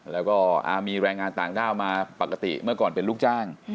แล้วก็มีแรงงานต่างด้าวมาปกติเมื่อก่อนเป็นลูกจ้าง